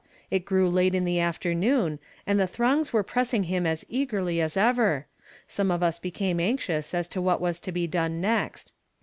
ft grew late in the afternoon, and the throngs were pressing hin^ as eagerly as ever. Some of us became anxious as to what was to be done next.